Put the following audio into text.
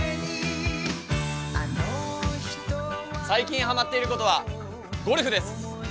最近ハマっていることはゴルフです。